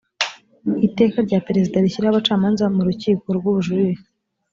iteka rya perezida rishyiraho abacamanza mu rukiko rw ubujurire